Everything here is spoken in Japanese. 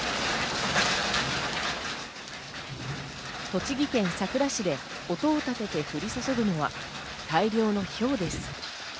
栃木県さくら市で音を立てて降り注ぐのは大量のひょうです。